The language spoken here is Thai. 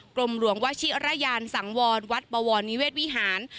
กรมหลวงวชิระยานสังวรวัดบวรนิเวศวิหาร